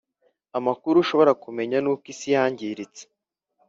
Amakuru ushobora kumenya nuko isi yangiritse